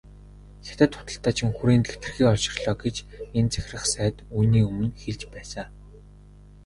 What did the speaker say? Хятад худалдаачин хүрээнд хэтэрхий олширлоо гэж энэ захирах сайд үүний өмнө хэлж байсан.